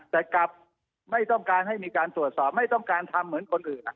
แต่กลับไม่ต้องการให้มีการตรวจสอบไม่ต้องการทำเหมือนคนอื่น